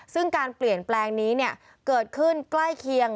ซึ่งการเปลี่ยนแปลงนี้เกิดขึ้นใกล้เคียง